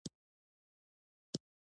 زه تیز روان یم – "تیز" قید دی.